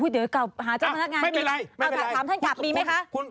เดี๋ยวหาเจ้าพนักงานมีถามท่านกลับมีไหมคะไม่เป็นไร